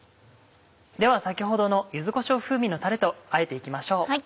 では先ほどの柚子こしょう風味のタレとあえて行きましょう。